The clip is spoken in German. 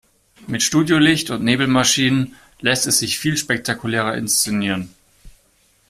Mit Studiolicht und Nebelmaschinen lässt es sich viel spektakulärer inszenieren.